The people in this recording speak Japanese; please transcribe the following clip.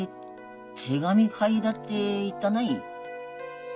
「手紙書いた」って言ったない。